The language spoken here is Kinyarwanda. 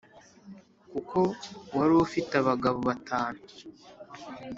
kuko wari ufite abagabo batanu